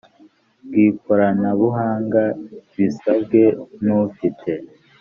bw’ikoranabuhanga bisabwe n’ufite